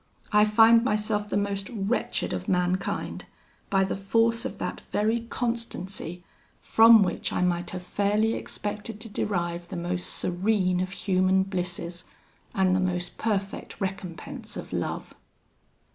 I find myself the most wretched of mankind, by the force of that very constancy from which I might have fairly expected to derive the most serene of human blisses, and the most perfect recompense of love.